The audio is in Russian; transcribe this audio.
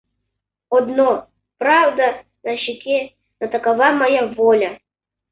Одно, правда, на щеке, но такова моя воля.